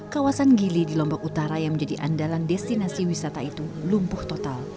kawasan gili di lombok utara yang menjadi andalan destinasi wisata itu lumpuh total